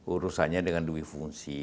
urusannya dengan dwi fungsi